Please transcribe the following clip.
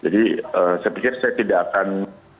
jadi saya pikir saya tidak akan